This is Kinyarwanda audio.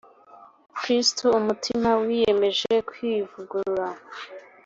kristu umutima wiyemeje kwivugurura